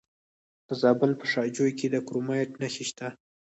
د زابل په شاجوی کې د کرومایټ نښې شته.